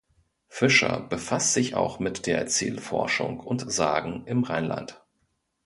Fischer befasst sich auch mit der Erzählforschung und Sagen im Rheinland.